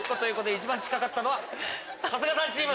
一番近かったのは春日さんチーム。